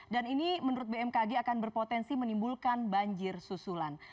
dan ini menurut bmkg akan berpotensi menimbulkan banjir susulan